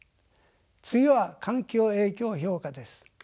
次は環境影響評価です。